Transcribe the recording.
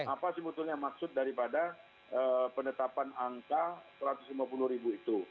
apa sebetulnya maksud daripada penetapan angka satu ratus lima puluh ribu itu